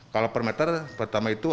kalau per meter pertama itu